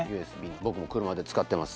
僕も車で使ってます。